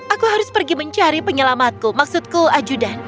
aku harus pergi mencari penyelamatku maksudku ajudan